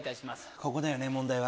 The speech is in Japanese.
ここだよね問題は。